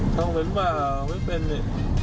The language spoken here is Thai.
ท่องเป็นเปล่าไม่เป็นนี่